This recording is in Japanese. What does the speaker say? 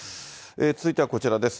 続いてはこちらです。